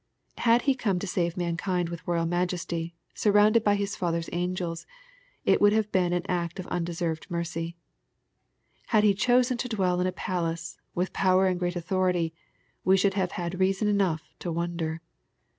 Had He come to save mankind with royal majesty, sur rounded by His Father's angels, it would have been an act of undeserved mercy. Had He chosen to dwell in a palace, with power and great authority, we should have had reason enough to wonder.